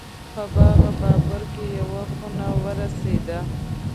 په باغ بابر کې یوه خونه ورسېده.